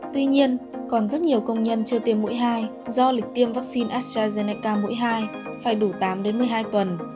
tuy nhiên còn rất nhiều công nhân chưa tiêm mũi hai do lịch tiêm vaccine astrazeneca mỗi hai phải đủ tám đến một mươi hai tuần